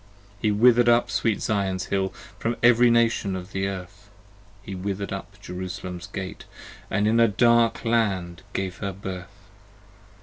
He wither'd up sweet Zion's Hill, From every Nation of the Earth; He wither'd up Jerusalem's Gates, And in a dark Land gave her birth.